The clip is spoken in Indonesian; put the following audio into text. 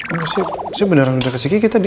enggak sih saya beneran udah dikasih kiki tadi